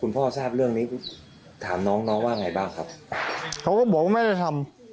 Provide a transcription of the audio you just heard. พ่อบอกว่าไม่ได้ทำ